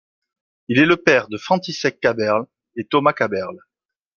Il est le père de František Kaberle et Tomáš Kaberle.